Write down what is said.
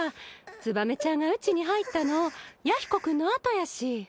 燕ちゃんがうちに入ったの弥彦君の後やし。